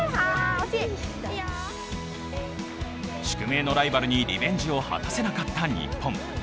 宿命のライバルにリベンジを果たせなかった日本。